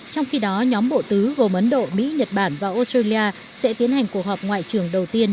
trong khi đó nhóm bộ tứ gồm ấn độ mỹ nhật bản và australia sẽ tiến hành cuộc họp ngoại trưởng đầu tiên